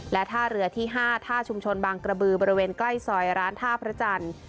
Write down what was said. และท่าเรือที่๕ท่าชุมชนบางกระบือบริเวณใกล้ซอยร้านท่าพระจันทร์